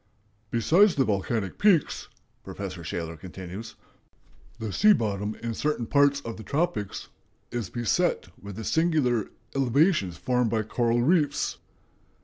"Besides the volcanic peaks," Professor Shaler continues, "the sea bottom in certain parts of the tropics ... is beset with the singular elevations formed by coral reefs."